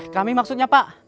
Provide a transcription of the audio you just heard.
kami maksudnya pak